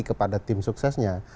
kepada tim suksesnya